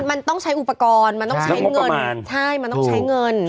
มันต้องใช้อุปกรณ์มันต้องใช้เงินใช่มันต้องใช้เงิน